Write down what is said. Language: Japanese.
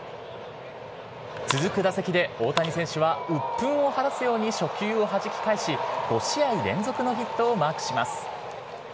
続く打席で大谷選手はうっぷんを晴らすように初球をはじき返し、５試合連続のヒットをマークします。